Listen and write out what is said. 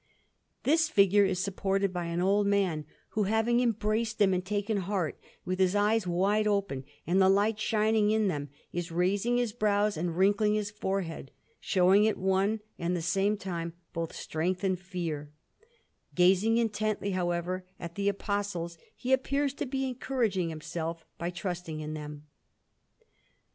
This figure is supported by an old man, who, having embraced him and taken heart, with his eyes wide open and the light shining in them, is raising his brows and wrinkling his forehead, showing at one and the same time both strength and fear; gazing intently, however, at the Apostles, he appears to be encouraging himself by trusting in them.